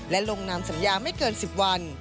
และลงนามสัญญาไม่เกิน๑๐วัน